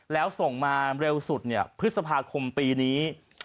แล้วส่งมาเร็วสุดพฤษภาคมปีนี้